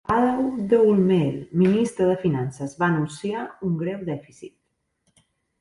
Paul Doumer, ministre de Finances, va anunciar un greu dèficit.